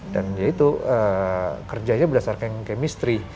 dan yaitu kerjanya berdasarkan chemistry